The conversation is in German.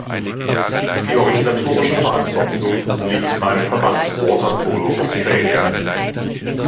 Die organisatorische Verantwortung liegt beim Verband "Water Polo Australia".